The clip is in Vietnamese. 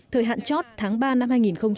thời hạn chót tháng ba năm hai nghìn một mươi bảy